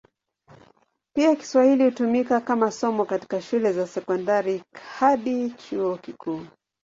Pia Kiswahili hutumika kama somo katika shule za sekondari hadi chuo kikuu.